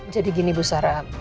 jadi gini bu sara